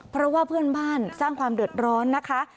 เพราะว่าเพื่อนบ้านสร้างความเดือดร้อนนะคะ